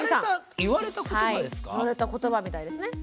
言われた言葉みたいですね。